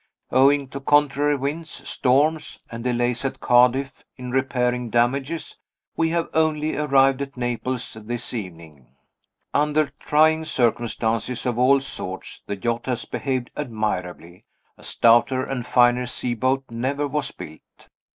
Owing to contrary winds, storms, and delays at Cadiz in repairing damages, we have only arrived at Naples this evening. Under trying circumstances of all sorts, the yacht has behaved admirably. A stouter and finer sea boat never was built.